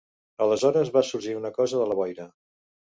Aleshores va sorgir una cosa de la boira.